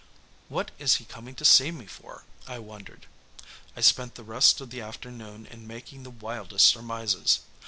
What is he coming to see me for? I wondered. I spent the rest of the afternoon in making the wildest surmises.